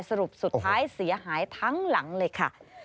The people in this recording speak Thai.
สรุปสุดท้ายเสียหายทั้งหลังเลยค่ะ